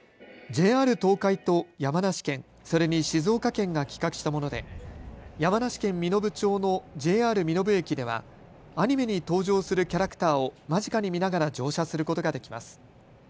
ＪＲ東海と山梨県、それに静岡県が企画したもので山梨県身延町のＪＲ身延駅ではアニメに登場するキャラクターを間近に見ながら乗車することができます。